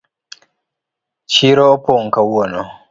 Chiro opong’ kawuono.